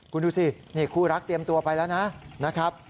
คุณดูสินี่คู่รักเตรียมตัวไปแล้วนะครับ